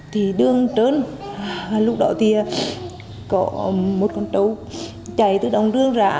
thì đường trơn lúc đó thì có một con cháu chạy từ đồng đường ra